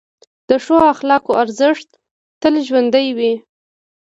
د ښو اخلاقو ارزښت تل ژوندی وي.